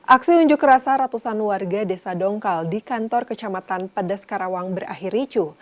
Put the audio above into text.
aksi unjuk rasa ratusan warga desa dongkal di kantor kecamatan pedas karawang berakhir ricu